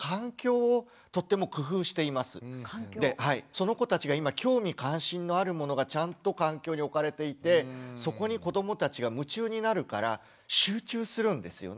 あと園によってその子たちが今興味関心のあるものがちゃんと環境に置かれていてそこに子どもたちが夢中になるから集中するんですよね。